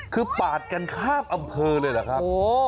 คือปาดกันข้ามอำเภอเลยเหรอครับ